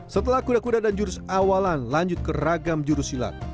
setelah kuda kuda dan jurus awalan lanjut ke ragam jurus silat